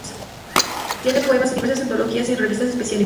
Tiene poemas en diversas antologías y en revistas especializadas.